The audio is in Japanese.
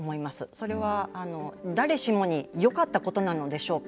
それは、誰しもによかったことなのでしょうか。